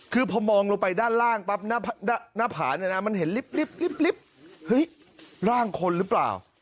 คือพอมองลงไปด้านล่างปั๊บหน้าผ่านมันเห็นริบร่างคนหรือเปล่า